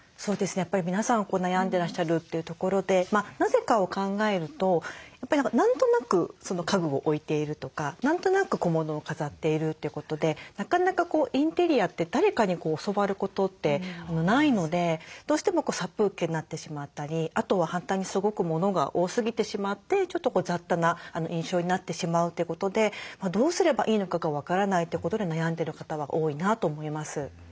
やっぱり皆さん悩んでらっしゃるというところでなぜかを考えると何となく家具を置いているとか何となく小物を飾っているということでなかなかインテリアって誰かに教わることってないのでどうしても殺風景になってしまったりあとは反対にすごくものが多すぎてしまってちょっと雑多な印象になってしまうということでどうすればいいのかが分からないということで悩んでる方は多いなと思います。